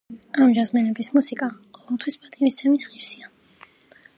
ამ ჯაზმენების მუსიკა ყოველთვის პატივისცემის ღირსია.